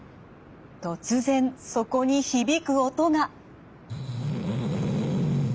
突然そこに響く音が。